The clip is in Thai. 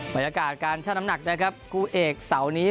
บรรยากาศการชั่งน้ำหนักนะครับคู่เอกเสาร์นี้